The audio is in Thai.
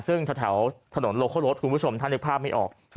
ซึ่งแถวถนนโลโครสคุณผู้ชมถ้านึกภาพไม่ออก